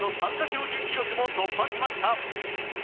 標準記録も突破しました。